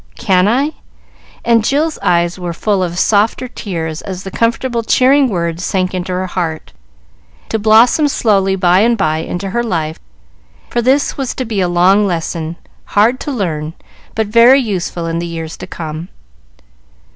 "Can I?" and Jill's eyes were full of softer tears as the comfortable, cheering words sank into her heart, to blossom slowly by and by into her life, for this was to be a long lesson, hard to learn, but very useful in the years to come.